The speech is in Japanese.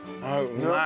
うまい。